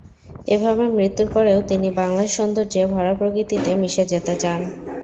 এভাবে মৃত্যুর পরেও তিনি বাংলার সৌন্দর্যে ভরা প্রকৃতিতে মিশে যেতে চান।